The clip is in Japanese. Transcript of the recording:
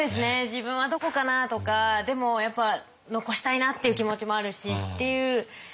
自分はどこかなとかでもやっぱ残したいなっていう気持ちもあるしっていうのはありますよね。